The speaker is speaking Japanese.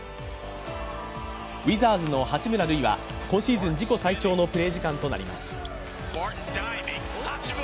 ウィザーズの八村塁は今シーズン自己最長のプレー時間となります。